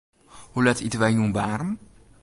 Hoe let ite wy jûn waarm?